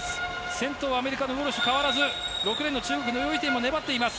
先頭はアメリカのウォルシュ変わらず、６レーンの中国も粘っています。